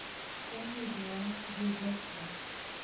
São Miguel do Iguaçu